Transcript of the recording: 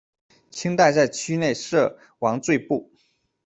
清代在区内设王赘步。